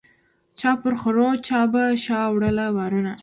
چا پر خرو چا به په شا وړله بارونه